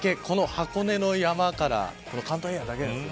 箱根の山から関東平野だけなんです。